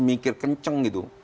mikir kencang gitu